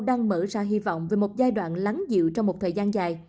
đang mở ra hy vọng về một giai đoạn lắng dịu trong một thời gian dài